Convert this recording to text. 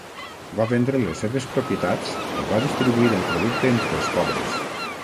Va vendre les seves propietats i va distribuir el producte entre els pobres.